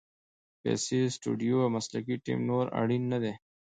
پیسې، سټوډیو او مسلکي ټیم نور اړین نه دي.